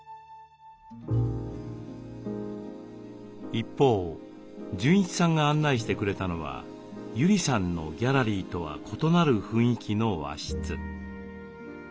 一方純一さんが案内してくれたのは友里さんのギャラリーとは異なる雰囲気の和室。